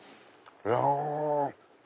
いや！